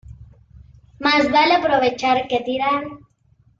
Más vale aprovechar que tirar.